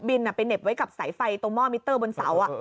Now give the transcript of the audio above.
ไปเหน็บไว้กับสายไฟตรงหม้อมิเตอร์บนเสา